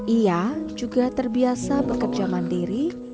ia juga terbiasa bekerja mandiri